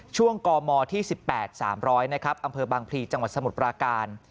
กมที่๑๘๓๐๐นะครับอำเภอบางพลีจังหวัดสมุทรปราการ